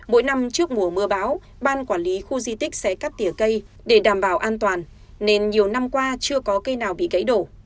mỗi năm trước mùa mưa bão ban quản lý khu di tích sẽ cắt tỉa cây để đảm bảo an toàn nên nhiều năm qua chưa có cây nào bị gãy đổ